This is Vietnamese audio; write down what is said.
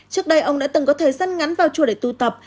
trước đây ông đã từng có thời gian ngắn vào chùa để tu tập